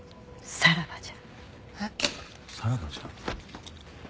「さらばじゃ」？